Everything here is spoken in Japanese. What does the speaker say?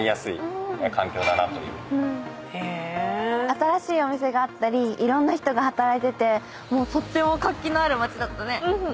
新しいお店があったりいろんな人が働いててとっても活気のある町だったね。